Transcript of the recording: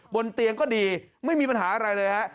บนเตียงก็ดีไม่มีปัญหาอะไรเลยฮะ